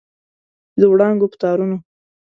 چې د وړانګو په تارونو